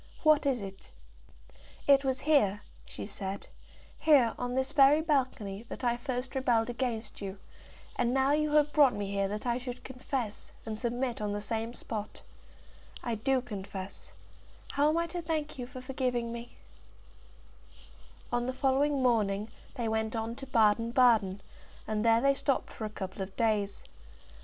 "What is it?" "It was here," she said "here, on this very balcony, that I first rebelled against you, and now you have brought me here that I should confess and submit on the same spot. I do confess. How am I to thank you for forgiving me?" [Illustration: "How am I to thank you for forgiving me?"] On the following morning they went on to Baden Baden, and there they stopped for a couple of days.